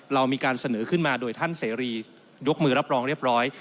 เรามีการเสนอขึ้นมาโดยท่านเสรียกมือรับรองเรียบร้อย